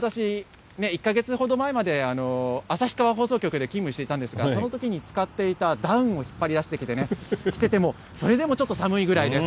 私、１か月ほど前まで旭川放送局で勤務していたんですが、そのときに使っていたダウンを引っ張りだしてきて、着てても、それでもちょっと寒いぐらいです。